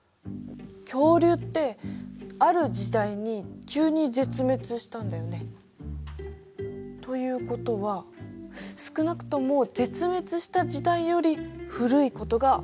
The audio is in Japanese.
恐竜ってある時代に急に絶滅したんだよね？ということは少なくとも絶滅した時代より古いことがわかる。